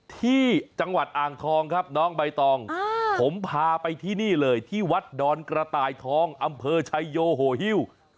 ที่จังหวัดอ่างทองครับน้องใบตองผมพาไปที่นี่เลยที่วัดดอนกระต่ายทองอำเภอชายโยโหฮิ้ว